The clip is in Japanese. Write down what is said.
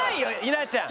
稲ちゃん。